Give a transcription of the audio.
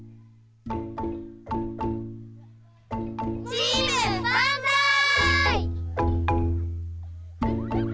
チームばんざい！